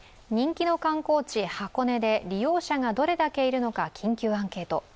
人気の観光地・箱根で利用者がどれだけいるのか緊急アンケート。